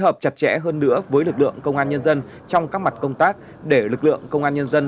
hợp chặt chẽ hơn nữa với lực lượng công an nhân dân trong các mặt công tác để lực lượng công an nhân dân